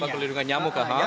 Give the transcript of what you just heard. tempat perindukan nyamuk aha